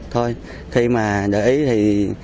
thì mình phải để ý người ta thôi